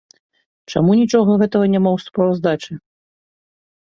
Чаму нічога гэтага няма ў справаздачы?